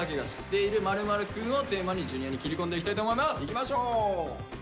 いきましょう。